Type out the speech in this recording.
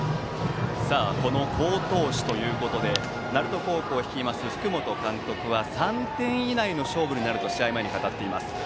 好投手ということで鳴門高校を率いる福本監督は３点以内の勝負になると試合前に語っています。